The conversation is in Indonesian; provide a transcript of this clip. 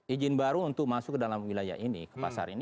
izin baru untuk masuk ke dalam wilayah ini ke pasar ini